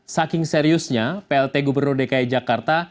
saking seriusnya plt gubernur dki jakarta